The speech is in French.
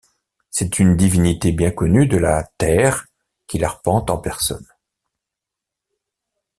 C'est une divinité bien connue de la Tærre qu'il arpente en personne.